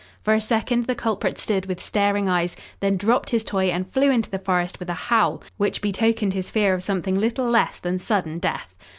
For a second the culprit stood with staring eyes, then dropped his toy and flew into the forest with a howl which betokened his fear of something little less than sudden death.